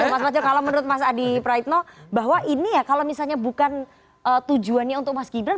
mas macel kalau menurut mas adi praitno bahwa ini ya kalau misalnya bukan tujuannya untuk mas gibran